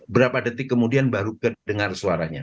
berapa detik kemudian baru kedengar suaranya